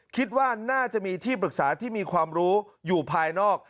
คิดว่าน่าจะมีที่ปรึกษาที่มีความรู้อยู่ภายนอก